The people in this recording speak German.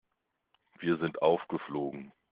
Wir sind aufgeflogen.